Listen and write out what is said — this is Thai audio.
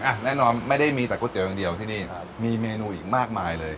แน่นอนไม่ได้มีแต่ก๋วยเตี๋ยวอย่างเดียวที่นี่ครับมีเมนูอีกมากมายเลย